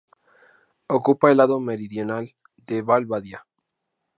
Ocupa el lado meridional de Val Badia.